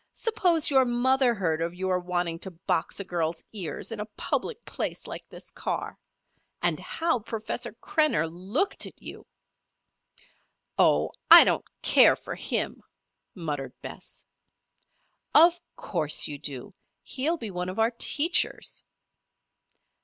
"Suppose your mother heard of your wanting to box a girl's ears in a public place like this car? And how Professor Krenner looked at you!" "Oh, I don't care for him," muttered Bess. "Of course you do. He will be one of our teachers."